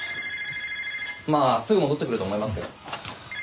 まあすぐ戻ってくると思いますけど。